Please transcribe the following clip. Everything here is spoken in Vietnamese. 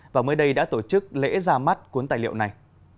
và mới đây đã tổ chức lễ ra mắt cuốn tài liệu này